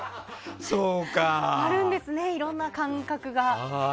あるんですね、いろんな感覚が。